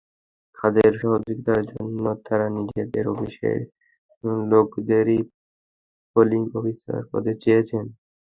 কাজের সহযোগিতার জন্য তাঁরা নিজেদের অফিসের লোকদেরই পোলিং অফিসার পদে চেয়েছেন।